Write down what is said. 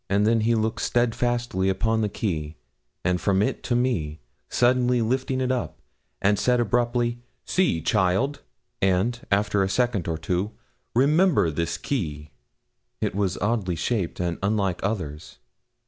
Then he looked steadfastly upon the key, and from it to me, suddenly lifting it up, and said abruptly, 'See, child,' and, after a second or two, 'Remember this key.' It was oddly shaped, and unlike others.